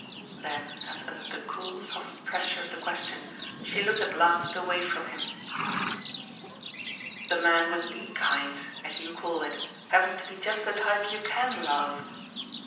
Then as under the cool soft pressure of the question she looked at last away from him: "The man with 'THE kind,' as you call it, happens to be just the type you CAN love?